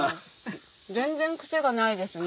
全然癖がないですね